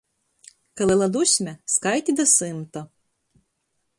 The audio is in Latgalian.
Ka lela dusme, skaiti da symta.